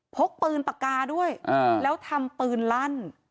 พกปืนปากกาด้วยแล้วทำปืนลั่น